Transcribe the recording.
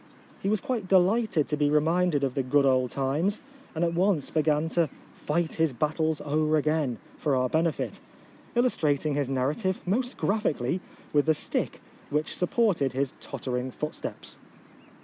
He was quite delighted to be reminded of the good old times, and at once began to " fight his battles o'er again " for our benefit, illustrating his nar rative most graphically with the stick which supported his tottering footsteps.